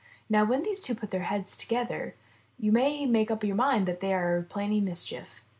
Now when these two put their heads to gether, you may make up your mind that they are planning mischief.